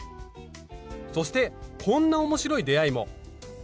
そしてこんな面白い出会いも。